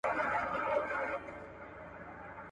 د سالمې تغذیې اهمیت د هر فرد مسؤليت دی.